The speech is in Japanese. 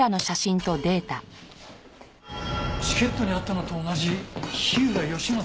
チケットにあったのと同じ火浦義正。